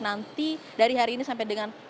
nanti dari hari ini sampai dengan